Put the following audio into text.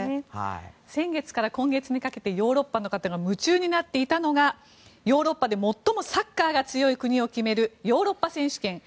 先月から今月にかけてヨーロッパの方が夢中になっていたのがヨーロッパで最もサッカーが強い国を決めるヨーロッパ選手権。